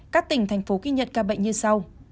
các tỉnh thành phố ghi nhận ca bệnh như sau